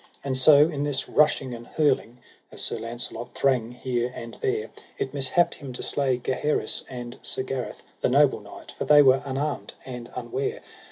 And so in this rushing and hurling, as Sir Launcelot thrang here and there, it mishapped him to slay Gaheris and Sir Gareth, the noble knight, for they were unarmed and unware.